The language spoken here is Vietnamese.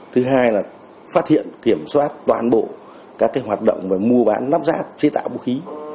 thứ hai là phát hiện kiểm soát toàn bộ các hoạt động về mua bán nắp rác chế tạo vũ khí